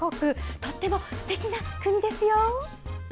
とってもすてきな国ですよ。